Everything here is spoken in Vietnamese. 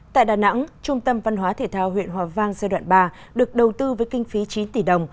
tại đà nẵng trung tâm văn hóa thể thao huyện hòa vang giai đoạn ba được đầu tư với kinh phí chín tỷ đồng